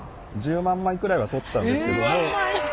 １０万枚くらいは撮ったんですけども。